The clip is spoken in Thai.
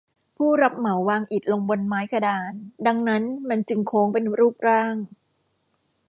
ผู้รับเหมาวางอิฐลงบนไม้กระดาน ดังนั้นมันจึงโค้งเป็นรูปร่าง